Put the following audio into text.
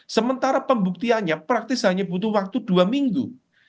sementara pembuktiannya praktis hanya butuh waktu dua minggu